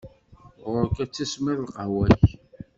Ɣur-k ad tismiḍ lqahwa-k!